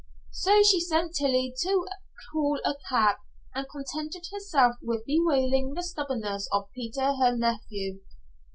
So she sent Tillie to call a cab, and contented herself with bewailing the stubbornness of Peter, her nephew.